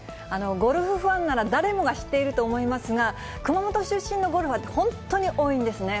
ゴルフファンなら誰もが知っていると思いますが、熊本出身のゴルファーって本当に多いんですね。